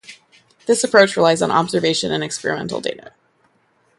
This approach relies on observation and experimental data.